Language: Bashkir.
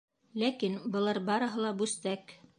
Ләкин былар барыһы ла бүстәк.